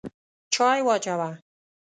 چای واچوه!